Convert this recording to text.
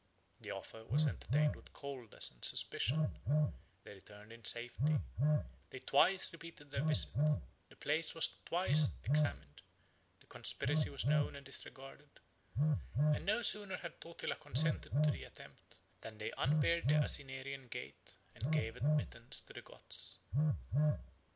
The offer was entertained with coldness and suspicion; they returned in safety; they twice repeated their visit; the place was twice examined; the conspiracy was known and disregarded; and no sooner had Totila consented to the attempt, than they unbarred the Asinarian gate, and gave admittance to the Goths.